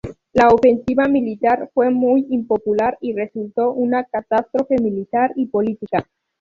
La ofensiva militar fue muy impopular y resultó una catástrofe militar y política.